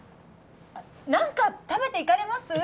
何か食べて行かれます？